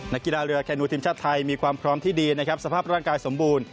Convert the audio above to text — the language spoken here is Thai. กีฬาเรือแคนูทีมชาติไทยมีความพร้อมที่ดีนะครับสภาพร่างกายสมบูรณ์